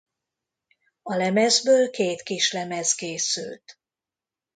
A lemezből két kislemez készült.